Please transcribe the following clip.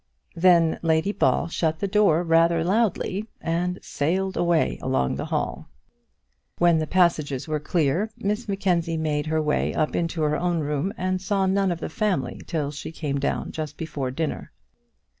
Then Lady Ball shut the door rather loudly, and sailed away along the hall. When the passages were clear, Miss Mackenzie made her way up into her own room, and saw none of the family till she came down just before dinner.